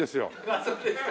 あっそうですか。